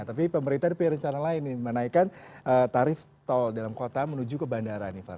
tapi pemerintah dipilih rencana lain menaikkan tarif tol dalam kota menuju ke bandara